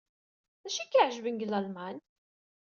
D acu ay k-iɛejben deg Lalman?